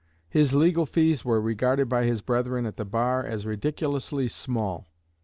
His legal fees were regarded by his brethren at the bar as "ridiculously small."